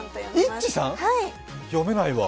イッチさん、読めないわ。